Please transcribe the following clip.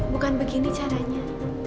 bukan begini caranya